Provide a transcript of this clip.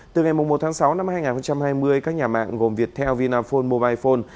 từ ngày một tháng sáu năm hai nghìn hai mươi các nhà mạng gồm viettel vinaphone mobilephone